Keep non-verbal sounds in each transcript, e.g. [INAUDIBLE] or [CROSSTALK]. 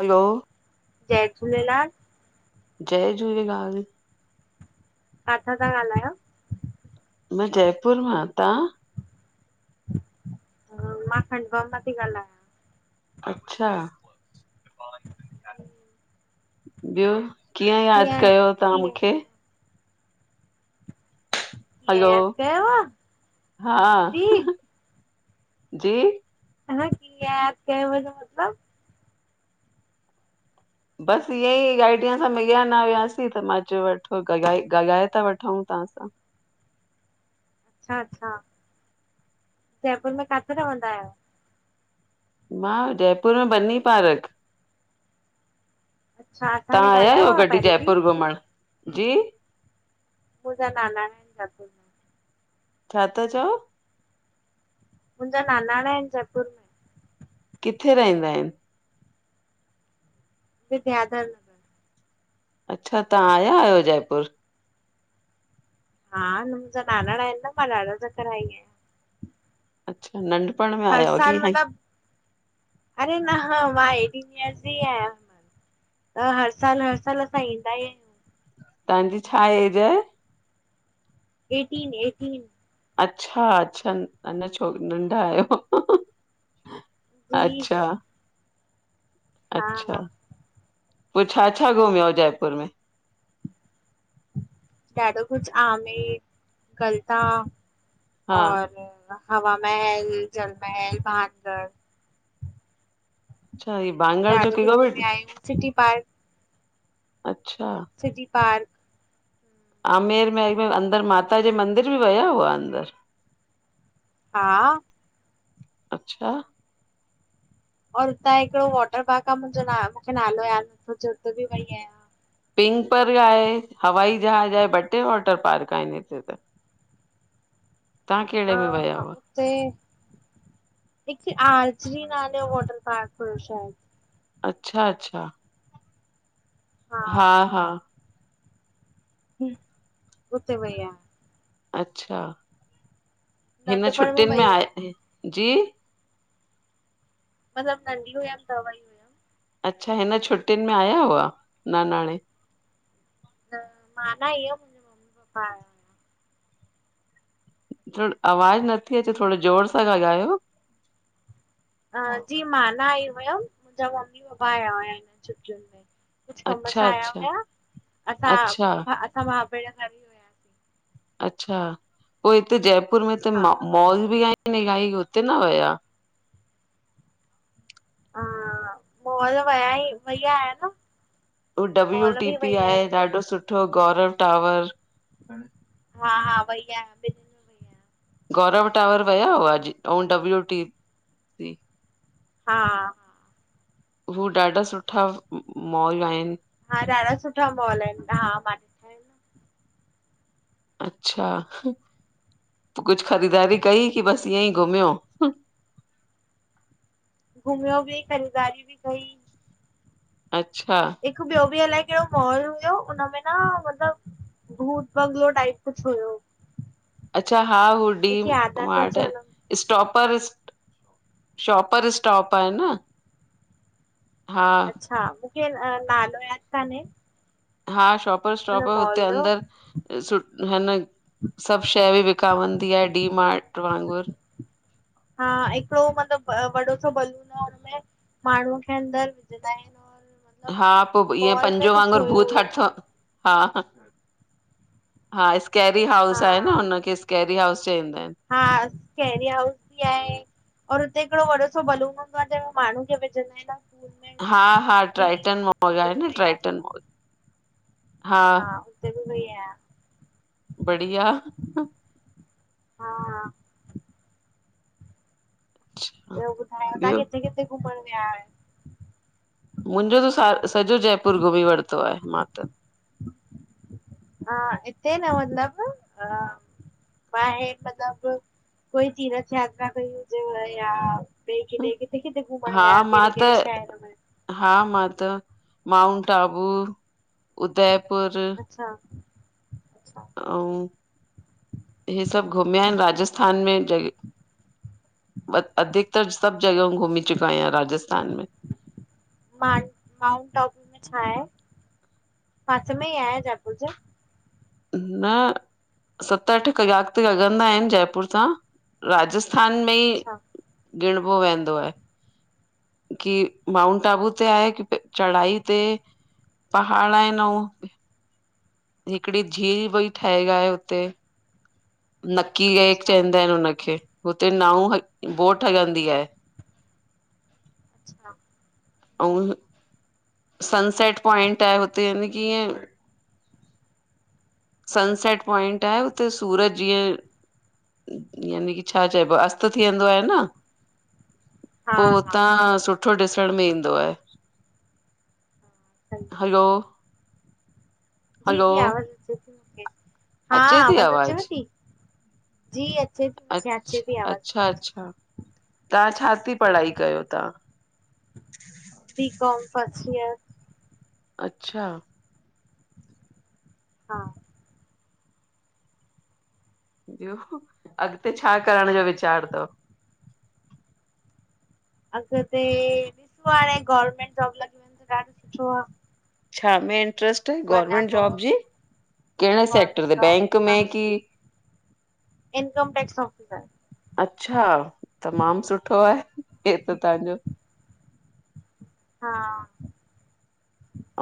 हलो जय झूलेलाल जय झूलेलाल काथां था ॻाल्हायो मां जयपुर मां आ तां मां खंडवा मां थी ॻाल्हायां अच्छा ॿियो कीअं यादि कयो तव्हां मूंखे कीअं हलो यादि कयव हा जी जी ह न कीयं याद कयो हुनजो मतिलबु बसि ईअं ई गाइडीअ सां मॻियां न वियासीं त मां चयो वठो गॻाए ॻालाए था वठूं तव्हांसां अच्छा अच्छा जयपुर में काथे रहंदा आहियो मां जयपुर में बनी पारक अच्छा असां ने तव्हां आया ॻाल्हायो आहियो आहे कॾहिं पहिरियों बि जयपुर घुमण जी मुंजा नानाण एन जयपुर छा था चओ मुंहिंजा ननाणा आहिनि जयपुर में किथे रहंदा आहिनि विध्यादल अच्छा तव्हां आया आहियो जयपुर हा मुंजा नानाड़ा एन डाढ़ा दफा आयी अयां अच्छा नंढपण में आया हर आहियो की साल हाणे? मतिलब अरे न ह मांटस ई आहियां त हर साल हर साल असां ईंदा ईयूं तव्हांजी छा एज आहे एटीन एटीन अच्छा अचछा अञ छो नंढा आहियो जी अच्छा- हा अच्छा हा पोइ छा छा घुमियोया हो जयपुर में ॾादाो कुझ आमेर गलता हा और हवा महल जलमहल बहानगढ अछा बांंगाल ॾाढो चोकी ग कुझु बिट घुमिया आहियूं सिटी पार्क अच्छा सिटी पार्क। आमेर महल में अंदरि माता जे मंदिर बि विया हुआ अंदरि? हा अचछा और हुतां हिकिड़ो वॉटर पार्क आहे मुंहिंजो नालो आहे हुते बि वेई आहियां। पिंक पर आहे हवाई जहाज आहे ॿ टे वॉटर पार्क आहिनि हिते त। [INAUDIBLE] तव्हां कहिड़े में विया हुआ? हुते हिकु आर्चरी नाले जो वॉटर पार्क हुयो शायद। अच्छा अच्छा हा हा हम उते वयां अच्छा हिन नंढपण वई छुटियुनि में हुयमि आहे जी मतलब [UNINTELLIGIBLE] अच्छा हिन छुटियुनि में आया हुआ नानाणे? त मां न आई हुयम ॿार थोरो आवाज नथी अचे थोरो जोर सां ग ॻालायो। अ जी मां न आई हुयमि मुंहिंजा मम्मी पपा आया हुया हिननि छुटियुनि में कुझु कम सां अच्छा आया अच्छा हुया असां अच्छा असां महाबेर अच्छा पोइ हिते जयपुर में त म मॉल बि आहिनि इली हुते न विया? हा मांल वया ई वईया आया न उ डब्लू मॉल टी बि पी वई आहे आहियां ॾाढो सुठो गौरव टावर हा हा वई आं गौरव टावर विया हुआ अॼु ओ डब्ल्यू टी पी हा हू ॾाढा सुठा मॉल आहिनि। हा ॾाढा सुठा मॉल आहिनि हा। ॾिठा आहिनि अच्छा कुझु ख़रीदारी न। कई की बसि ईअं ई घुमियो घुमियो बि खरीदारी बि कई। अचछा हिकु ॿियो बि अलाए कहिड़ो मॉल हुयो हुनमें न मतलब भूत बंगलो टाइप कुछ हुयो। अच्छा हा हू मूंखे डीम यादि नथो मारट अचे हुन स्टॉपर शॉपर स्टॉप आहे न। हा अच्छा मूंखे नालो यादि कान्हे। हां शॉपर हुन स्टॉपर हुते मॉल जो अंदर सु हिन सभु शैइ बि विकामंदी आहे डी मार्ट वांगुरु हा हिकिड़ो मतिलबु वॾो सो बलून आहे हुनमें माण्हूअ खे अंदरि विझंदा आहिनि। और मतिलबु हा ईअं पोइ ईअ मॉल में पंजो कुझु वांगुर हुयो भूत ईअं हटथ हा ह हां स्केरी हा हाउस आहे न हुनखे स्केरी स्केरी हाउस चईंदा आहिनि। हां स्कैेरी हाउस बि आहे। और हुते हिकड़ो वॾो सो बलून हूंदो आहे जंहिंमें माण्हू खे विझंदा आहिन। हां हां ट्राइटन मॉल हुते आहे बि न वई आहियां ट्राइटन मॉल। हा हुते बि वई आहियां बढ़िया। हां हां। अच्छा ॿियो ॿुधायो तां ॿियो किथे किथे घुमण विया आयो? मुंहिंजो त स सॼो जयपुर घुमी वरतो आहे मां त। हा हिते न मतलब, हा बाहिर मतलब कोई तीरथ यात्रा कई हुजेव या। ॿिए किॾे किथे किथे घुमण में हा विया आयो मां कहिड़े त कहिड़े शहर में? हा मां त माउंट आबू उदयपुर। अच्छा। अच्छा अऊं हे सभ हि सभ् घुमिया आहिन राजस्थान में। अधिकतर सभ अच्छा जॻह घुमी चुका आहियां राजस्थान में। मांट माउंट आबू में छा आहे? पासे में ई आहे जयपुर जे। न सत अठ कलाक ते लॻंदा आहिन जयपुर सां राजस्थ। स्थान में ई अच्छा जेणबो वेंदो आहे। की माउंट आबू ते आहे की त चढ़ाई ते। पहाड़ आहिन अऊं। हिकड़ी झिल भई ठाए आ हुते। नक्की लेक अच्छा चवंदा आहिन हुनखे हुते नाव बोट हलंदी आहे। अच्छा! अंउ ह। सनसेट पॉइंट आहे हुते न कीअं। सनसेट पॉइंट आहे उते सूरज जीअं। यानी की छा चइबो आ? अस्त थी वेंदो आहे न। हा पो हा हुतां सुठो ॾिसण में ईंदो आहे। सही आ हलो। जी हलो जी आवाज़ अचे थी मूंखे। हा अचे थी आवाज आचेव आवाज़ ती? जी अचे थी अ मूंखे अचे थी, आवाज़ तांजी। तां छा थी पढ़ाई कयो तां? B com first year. अच्छा! हां। ब्यो अॻते छा करण जो वीचार तव? अॻिते ॾिसो हाणे गवर्मेंट जॉब लॻी वने त ॾाढो सुठो आ। छा में इंट्रेस्ट। वञा गवर्मेंट पो जॉब जी कहिड़े गवर्मेंट सेक्टर ते? जॉब बैंक हा में की? Income tax officer. अच्छा! तमामु सुठो आहे, हे त तांजो। हा।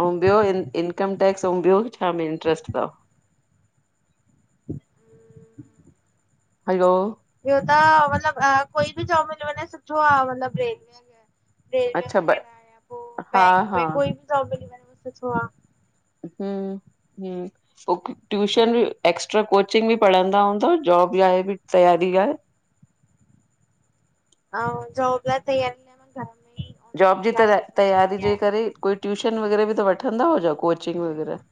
अऊं ॿियोंं इन इनकम टेक्स आऊ ॿियो छा में इंट्रेस्ट तव? हलो। ॿियो त मतलब कोई बि जॉब् मिलियो वञे सुठो आह मतलब रलमे। रेलवे अच्छा ब वग़ैरह या पो हा बैंक हा में कोई बि जॉब मिली व सुठो आ। हं हं। ट्यूशन ॿि एक्स्ट्रा कोचिंग ॿि पढ़ंदा हूंदव जॉब लाइ ॿि तैयारी आहे। ऐं जॉब लाइ तैयारी लाइ मां घर में ई जॉब ऑनलाइन जी त क्लासेस तैयारी वठंदी जे आहियां करे कोई ट्यूशन वग़ैरह ॿि त वठंदा हुजो कोचिंग वग़ैरह?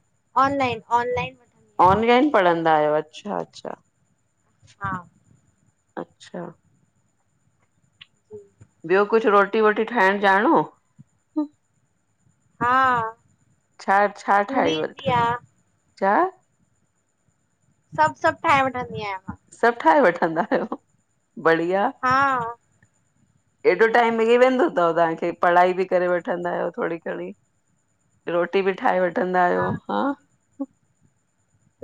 ऑनलाइन ऑनलाइन वठंदी आहियां ऑनलाइन पढ़ंदा आहियो अच्छा-अच्छा। हा अच्छा जी ॿियो कुझु रोटी वोटी ठाहिण ॼाणो? हा छा-छा पूरी ठाहे ईंदी वठनि आ छा सभु-सभु ठाहे वठंदी आहियां मां। सभु ठाहे वठंदा आहियो बढ़िया। हा एॾो टाइम मिली वेंदो अथव तव्हांखे? पढ़ाई ॿि करे वठंदा आहियो थोरी घणी। रोटी ॿी ठाहे वठंदा आहियो हा।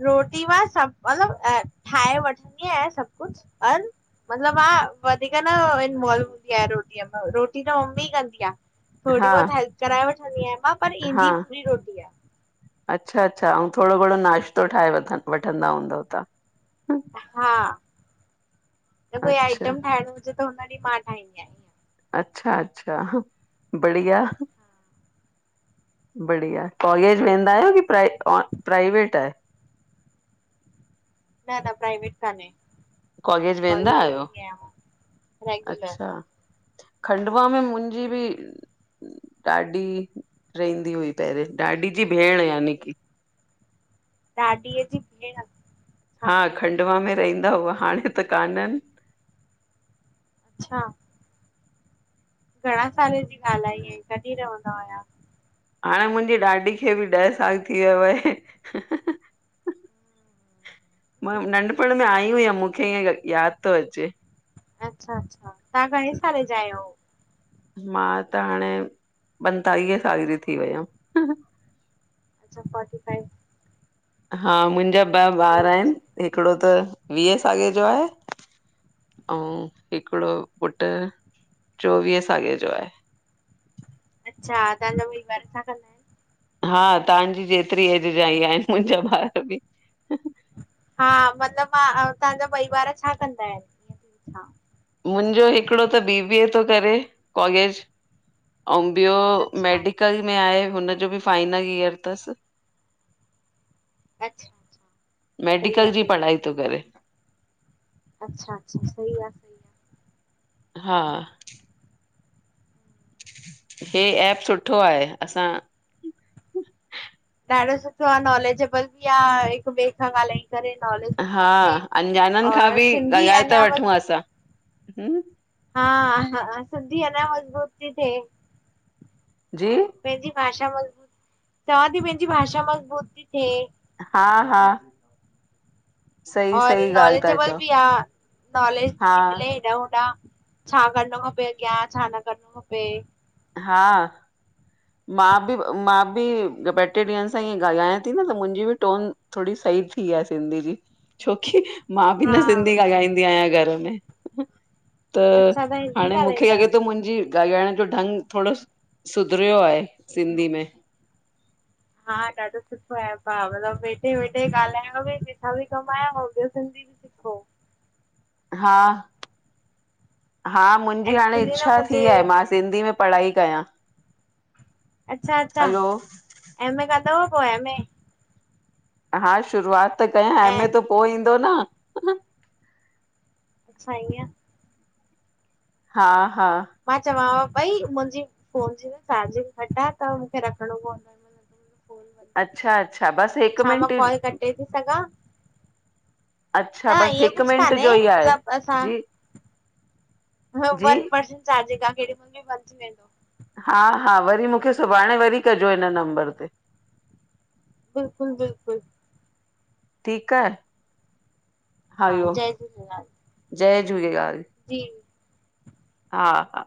रोटी मां सभु मतलबु ठाहे वठंदी आहियां सभु कुझु पर- मतिलबु मां वधीक न इनवोल्व हूंदी आ रोटीअ में रोटी त मम्मी कंदी आ। थोणी हा बहुत हेल्प कराए वठंदी आहियां मां पर ईंदी पूरी रोटी आ। अच्छा-अच्छा अउ थोणो घणो नाश्तो ठाहे वठंदा हूंदव ता? हा, न कोई अच्छा आइटम ठाहिणो हुजे त हुन ॾींहुं मां ठाहींदी आहियां। अच्छा-अच्छा बढ़िया। बढ़िया कॉलेज वेंदा आयो की प्राइवे ओन प्राइवेट आ? न-न प्राइवेट कान्हे। कॉगेज वेंदा कॉलेज आहियो वेंदी आहियां मां रेगुलर अच्छा। खंडवा में मुंहिंजी ॿि? ॾाॾी रहंदी हुई पहिरें, ॾाॾी जी भेण याननि की। ॾाॾीअ जी भेण अच्छा हा खंडवा में रहंदा हुआ हाणे त कानन। अच्छा घणा साल जी ॻाल्हि आई आ कॾहिं रहंदा हुया? हाणे मुंहिंजी ॾाॾी खे ॿि ॾह साल थी थीवया वये। मां नंढपण में आई हुयमि मूंखे ईअ यादि थो अचे। अच्छा-अच्छा तव्हां घणे साले जा आयो? मां त हाणे पंतालीह साल जी थी वियम। अच्छा फोटी फाइव। हा मुंहिंजा ॿ ॿार आहिनि हिकिड़ो त वीह सॻे जो आहे। ऐं हिकड़ो पुट चोवीह साले जो आहे। अच्छा तव्हां जा ॿयी ॿार छा कंदायेन? हा तव्हांजी जेतिरी एज जा ई आहिनि मुंहिंजा ॿार ॿि। हा मतिलबु मां तव्हांजा ॿयी ॿार छा कंदा आहिनि? हा मुंहिंजो हिकिड़ो त बी बी ए तो करे कॉलेज। आउ ॿियो अच्छा मेडिकल में आहे हुनजो ॿि फाइनल इयर तसं। अच्छा सही मेडिकल आ जी सही पढ़ाई तो करे। अच्छा-अच्छा सही आ। आ। हा हे ऐप सुठो आहे असां ॾाढो सुठो आहे नॉलेजेबल बि आहे हिकु ॿिए सां ॻाल्हाईंद छडे नालेज हा अंजाननि खां बि ॻाल्हाए था अञा वठूं असां हा हा सिंधी अंञा मज़बूत थी थि जी पंहिंजी भाषा मज़बूत चवां थी पंहिंजी भाषा मज़बूत थीी थिए हा- हा सही और सही ॻाल्हि था नॉलेजबल चओ बि आहे नॉलेज हा बि मिले हेॾा होॾा छा करिणो खपे अॻियां छा न करणो खपे हा मां बि मां बि ॿ टे ॾींहंनि सां ई ॻाल्हायां थी न त मुंहिंजी बि टोन थोरी सही थी आ सिंधी जी छोकी मां बि हा न सिंधी ॻाल्हाईंदी आहियां घर में त अच्छा तव्हां हिंदी हाणे मूंखे ॻाल्हाईंदा लॻे आहियो थो मुंहिंजी ॻाल्हाइण जो ढंग थोरो सुधरियो आहे सिंधी में हा ॾाढो सुठो आहे भा मतलब वेठे वेठे ॻाल्हायां बि जिथां बि कमाांया हा हा मुंहिंजी हाणे एक्चुली न इच्छा मुंहिंजे थी आहे मां सिंधी में पढ़ाई कयां अच्छा अच्छा हलो एमए कंदव पोइ एमए हा शुरूआत त कयां अ ऐं में त पोइ ईंदो न अच्छा ईंअ हा हा मां चवांव पई मुंहिंजी फोन जी न चार्जिंग घटि आहे त मूंखे रखिणो पवंदो त अच्छा -अच्छा बसि हिकु मां मिंट कॉल कटे थी सघॻा अच्छा न बसि ईअ हिकु कुझु मिंट कानहे जो ई आहे मतिलबु असां जी जी वन पर चाजे खांम्में बचजी वेंदो हा हा वरी मूंखे सुभाणे वरी कजो हिन नंबर ते बिल्कुलु बिल्कुलु ठीकु आहे हा हरओम जय झूलेलाल जय झूलेलाल जी हा हा